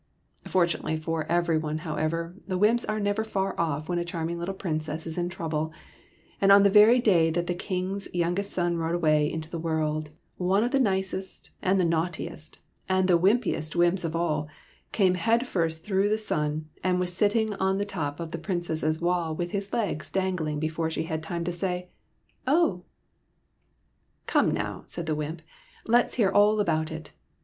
Fortunately for every one, however, the wymps are never far off when a charming little princess is in trouble ; and on the very day that the King's youngest son rode away into the world, one of the nicest and the naughtiest and the wympiest wymps of all came head first through the sun, and was sitting on the top of the Princess's wall with his legs dangling, before she had time to say '* Oh !"" Come now," said the wymp, " let 's hear all about it."